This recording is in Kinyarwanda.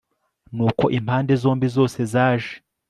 nuko impande zombi zose zaje